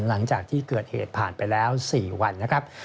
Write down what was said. หลังจากที่เกิดเหตุผ่านไปแล้ว๔วันนะครับ